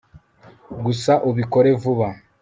gusa ubikore vuba